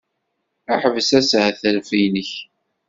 Ḥbes ashetref-nnek!